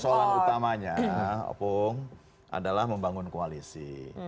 nah yang pertama nya opung adalah membangun koalisi